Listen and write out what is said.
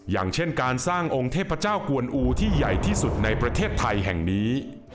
อย่างเช่นการสร้างองค์เทพเจ้ากวนอูที่ใหญ่ที่สุดในประเทศไทยแห่งนี้